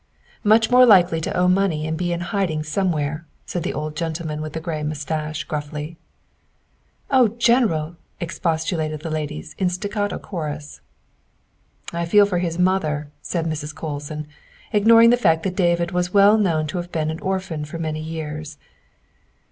" Much more likely to owe money and be in hiding somewhere, '' said the old gentleman with the gray mus tache gruffly. " Oh General!" expostulated the ladies in staccato chorus. " I feel for his mother," said Mrs. Colson, ignoring the fact that David was well known to have been an orphan for many years.